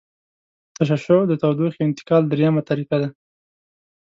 تشعشع د تودوخې انتقال دریمه طریقه ده.